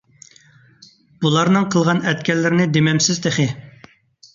بۇلارنىڭ قىلغان - ئەتكەنلىرىنى دېمەمسىز تېخى.